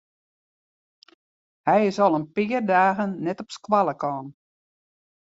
Hy is al in pear dagen net op skoalle kaam.